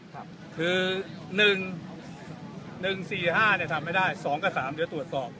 ครับคือ๑๔๕เนี่ยทำไม่ได้๒ก็๓เดี๋ยวตรวจสอบ